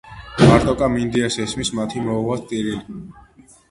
მარტოკა მინდიას ესმის მათი მოუვათ ტირილი